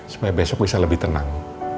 supaya besok bisa lebih tenang